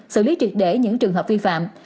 xử lý triệt để những trường hợp vi phạm